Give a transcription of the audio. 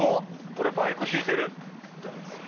俺バイク引いてる。